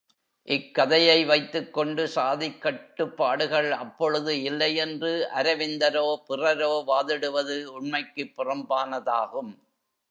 இக்கதையை வைத்துக் கொண்டு சாதிக் கட்டுப்பாடுகள் அப்பொழுது இல்லையென்று அரவிந்தரோ, பிறரோ வாதிடுவது உண்மைக்குப் புறம்பானதாகும்.